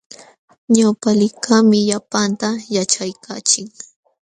Ñawpaqlikaqmi llapanta yaćhaykaachin.